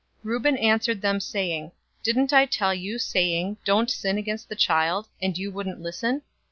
042:022 Reuben answered them, saying, "Didn't I tell you, saying, 'Don't sin against the child,' and you wouldn't listen?